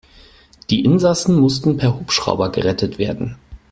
Die Insassen mussten per Hubschrauber gerettet werden.